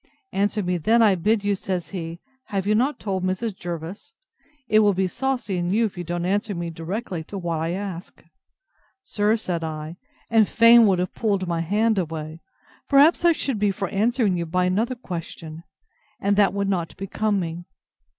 Answer me then, I bid you, says he, Have you not told Mrs. Jervis? It will be saucy in you if you don't answer me directly to what I ask. Sir, said I, and fain would have pulled my hand away, perhaps I should be for answering you by another question, and that would not become me.